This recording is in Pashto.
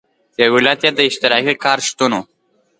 یو علت یې د اشتراکي کار شتون و.